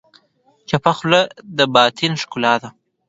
چپه خوله، د باطن ښکلا ده.